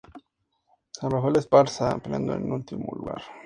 San Rafael de Esparza peleando ese último lugar.